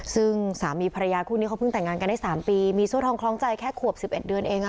ซึ่งสามีภรรยาคู่นี้เขาเพิ่งแต่งงานกันได้๓ปีมีโซ่ทองคล้องใจแค่ขวบ๑๑เดือนเอง